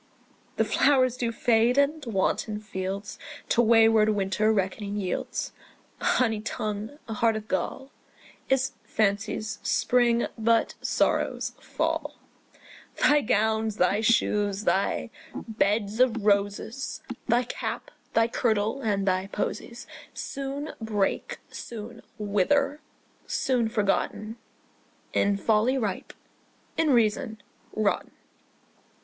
The flowers do fade ; and wanton fields To wayward winter reckoning yields : A honey tongue, a heart of gall, Is fancy's spring, but sorrow's fall. Thy gowns, thy shoes, thy beds of roses, Thy cap, thy kirtle, and thy posies Soon break, soon wither, soon forgotten, In folly ripe, in reason rotten.